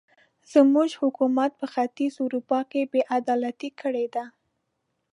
زموږ حکومت په ختیځه اروپا کې بې عدالتۍ کړې دي.